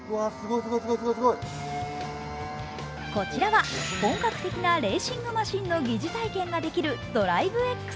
こちらは本格的なレーシングマシンの疑似体験ができるＤＲｉＶｅ−Ｘ。